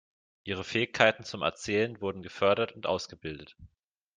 Ihre Fähigkeiten zum Erzählen wurden gefördert und ausgebildet.